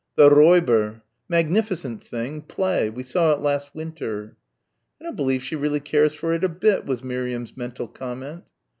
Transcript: "'The Räuber.' Magnificent thing. Play. We saw it last winter." "I don't believe she really cares for it a bit," was Miriam's mental comment.